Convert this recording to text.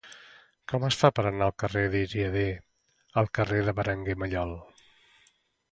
Com es fa per anar del carrer d'Iradier al carrer de Berenguer Mallol?